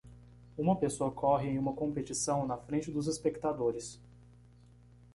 Uma pessoa corre em uma competição na frente dos espectadores.